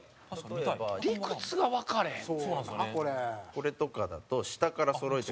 これとかだと下からそろえていく。